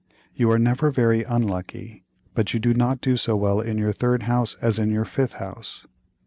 You are never very unlucky, but you do not do so well in your third house as in your fifth house.